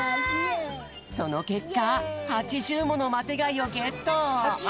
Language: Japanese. そのけっか８０ものマテがいをゲット！